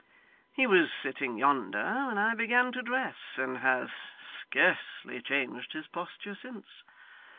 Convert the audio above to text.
He was sitting yonder when I began to dress, and has scarcely changed his posture since.